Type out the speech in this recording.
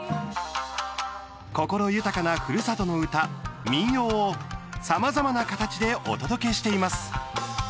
心豊かなふるさとの唄、民謡をさまざまな形でお届けしています。